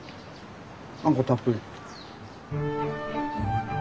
あんこたっぷり。